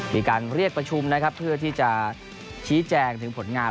มีการเรียกประชุมนะครับเพื่อที่จะชี้แจงถึงผลงาน